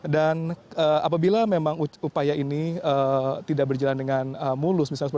dan apabila memang upaya ini tidak berjalan dengan mulus